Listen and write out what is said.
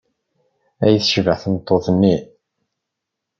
Ay tecbeḥ tmeṭṭut-nni!